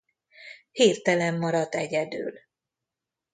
Hirtelen maradt egyedül.